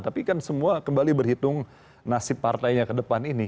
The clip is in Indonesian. tapi kan semua kembali berhitung nasib partainya ke depan ini